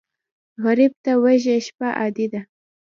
غریب ته وږې شپه عادي ده